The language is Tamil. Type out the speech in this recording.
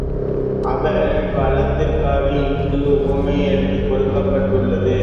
அவள் வளர்த்ததற்கு இங்கு உவமையொன்று கொடுக்கப்பட்டுள்ளது.